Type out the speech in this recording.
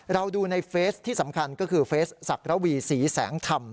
เราดูในเฟซที่สำคัญก็คือเฟซสักระวีสีแสงถ่ำ